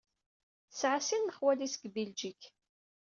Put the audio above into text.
Tesɛa sin n xwali-s deg Biljik.